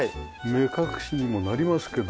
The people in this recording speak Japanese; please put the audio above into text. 目隠しにもなりますけども。